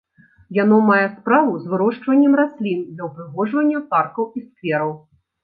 Яно мае справу з вырошчваннем раслін для ўпрыгожвання паркаў і сквераў.